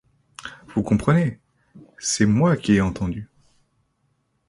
Vous comprenez, c’est moi qui l’ai entendu…